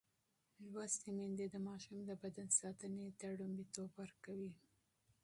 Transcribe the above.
لوستې میندې د ماشوم د بدن ساتنې ته لومړیتوب ورکوي.